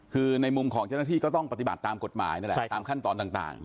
คือในมุมของเจ้าหน้าที่ก็ต้องปฏิบัติตามกฎหมายนั่นแหละตามขั้นตอนต่าง